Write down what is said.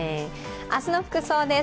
明日の服装です。